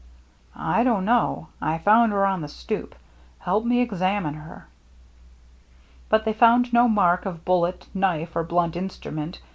" I don't know. I found her on the stoop. Help me examine her." But they found no mark of bullet, knife, or blunt instrument.